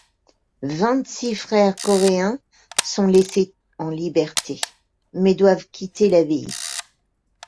Vingt-six frères coréens sont laissés en liberté, mais doivent quitter l'abbaye.